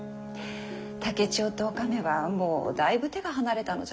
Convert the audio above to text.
竹千代とお亀はもうだいぶ手が離れたのじゃろう？